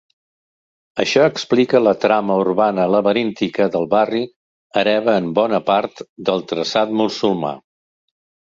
Això explica la trama urbana laberíntica del barri, hereva en bona part del traçat musulmà.